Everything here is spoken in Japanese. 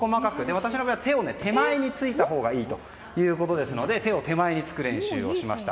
私の場合は手を手前についたほうがいいということですので手を手前につく練習をしました。